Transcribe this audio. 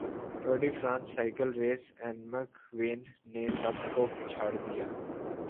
Tour de France cycle race اینمک وین نے سب کو پچھاڑدیا